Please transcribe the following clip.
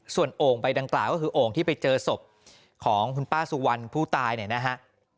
ส่วนโอ่งใบดังกล่าวก็คือโอ่งที่ไปเจอศพของคุณป้าสุวรรณผู้ตายเนี่ยนะฮะ